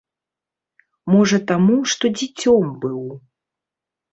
Можа, таму, што дзіцём быў.